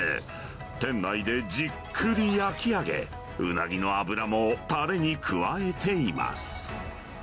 店内でじっくり焼き上げ、ウナギの脂もたれに加えています。